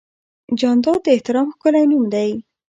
جانداد د احترام ښکلی نوم دی.